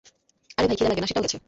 আরে ভাই খিদা লাগে, না সেটাও গেছে?